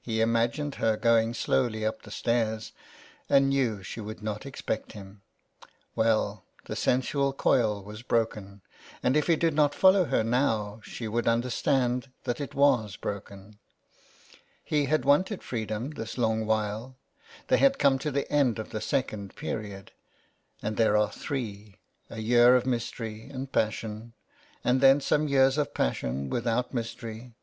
He imagined her going slowly up the stairs and knew she would not expect him. Well, the sensual coil was broken, and if he did not follow her now she would understand that it was broken. He had wanted freedom this long while. They had come to the end of the second period, and there are three — a year of mystery and passion, and then some years of passion without mystery.